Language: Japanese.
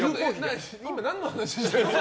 今何の話してます？